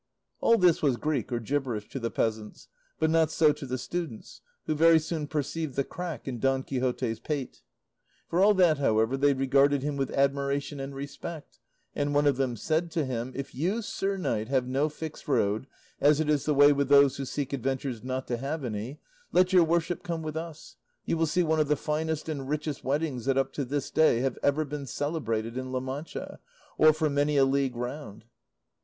All this was Greek or gibberish to the peasants, but not so to the students, who very soon perceived the crack in Don Quixote's pate; for all that, however, they regarded him with admiration and respect, and one of them said to him, "If you, sir knight, have no fixed road, as it is the way with those who seek adventures not to have any, let your worship come with us; you will see one of the finest and richest weddings that up to this day have ever been celebrated in La Mancha, or for many a league round."